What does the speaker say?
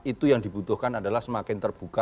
itu yang dibutuhkan adalah semakin terbuka